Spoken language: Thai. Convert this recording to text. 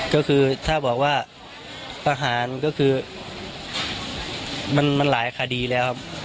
ก็คือถ้าบอกว่าประหารก็คือมันหลายคดีแล้วครับ